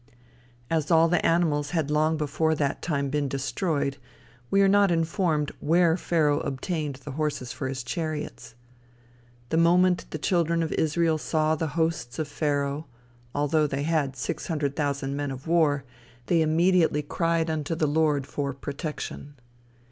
As all the animals had long before that time been destroyed, we are not informed where Pharaoh obtained the horses for his chariots. The moment the children of Israel saw the hosts of Pharaoh, although they had six hundred thousand men of war, they immediately cried unto the Lord for protection.